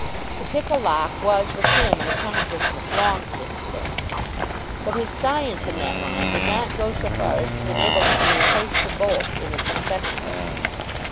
To pick a lock was with him an accomplishment long since learned. But his science in that line did not go so far as to enable him to replace the bolt in its receptacle.